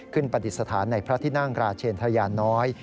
ปฏิสถานในพระที่นั่งราชเชนทะยานน้อย